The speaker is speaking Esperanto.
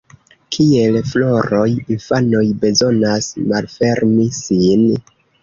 Kiel floroj, infanoj bezonas ‘malfermi’ sin.